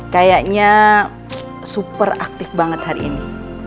kayaknya super aktif banget hari ini